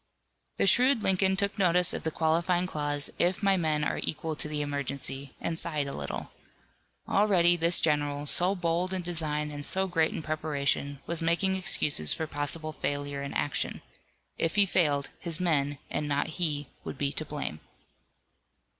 The shrewd Lincoln took notice of the qualifying clause, "if my men are equal to the emergency," and sighed a little. Already this general, so bold in design and so great in preparation was making excuses for possible failure in action if he failed his men and not he would be to blame.